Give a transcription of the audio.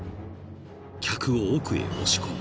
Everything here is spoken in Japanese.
［客を奥へ押し込む］